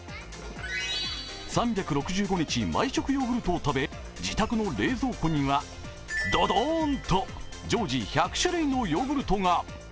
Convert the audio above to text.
３６５日、毎食ヨーグルトを食べ自宅の冷蔵庫には、どどーんと常時１００種類のヨーグルトが。